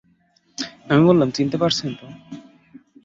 আমি বললাম, চিনতে পারছেন তো?